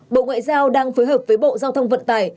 bộ ngoại giao đang phối hợp với bộ giao thông vận tải